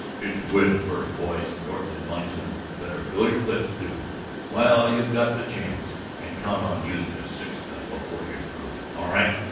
"Get your wind first, boys," Norton admonished them. "Better fill your clips, too, while you've got the chance. And count on using a six gun before you're through. All right?